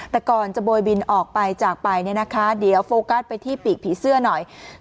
แต่ก่อนจะโบยบินออกไปจากไปเนี่ยนะคะเดี๋ยวโฟกัสไปที่ปีกผีเสื้อหน่อย